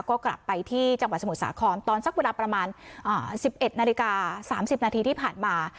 ก็กลับไปที่จังหวัดสมุทรสาครตอนสักเวลาประมาณ๑๑นาฬิกา๓๐นาทีที่ผ่านมา